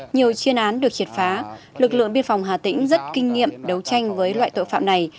nhiều chuyên án được triệt phá lực lượng biên phòng hà tĩnh rất kinh nghiệm đấu tranh với loại tội phạm này